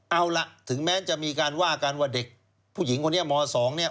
เอาล่ะถึงแม้จะมีการว่ากันว่าเด็กผู้หญิงคนนี้ม๒เนี่ย